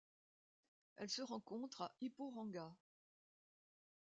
Elle se rencontre à Iporanga.